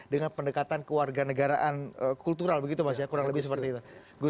dengan pendekatan kewarganegaraan kultural begitu mas ya kurang lebih seperti itu